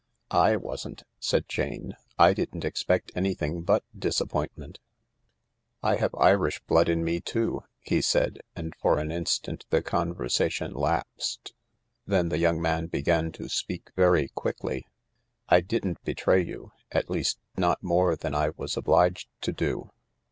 "7 wasn't," said Jane. " I didn't expect anything but disappointment ."" I have Irish blood in me, too," he said, and for an instant the conversation lapsed Then the young man began to speak, very quickly: " I didn't betray you. At least, not more than I was obliged to do."